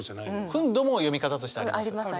「ふんど」も読み方としてあります。